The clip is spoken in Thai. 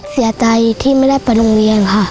เสียใจที่ไม่ได้ไปโรงเรียนค่ะ